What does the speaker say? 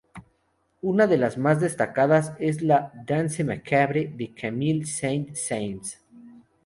Una de las más destacadas es la "Danse macabre" de Camille Saint-Saëns.